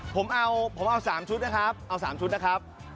ผมเอา๓ชุดนะครับ